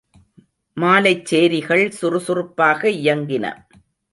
மாலைச் சேரிகள் சுருசுருப்பாக இயங்கின.